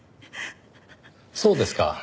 そうですか。